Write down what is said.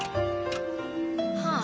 はあ？